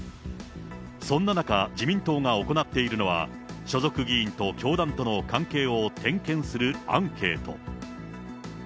そんな中、自民党が行っているのは、所属議員と教団との関係を点検するアンケート。